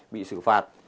bị sử phạt